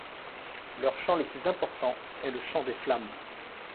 Leur chant le plus important est Le Chant des Flammes.